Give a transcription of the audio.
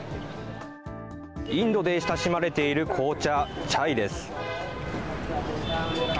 インドで親しまれている紅茶、チャイです。